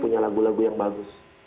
punya lagu lagu yang bagus